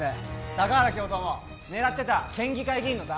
高原教頭も狙ってた県議会議員の座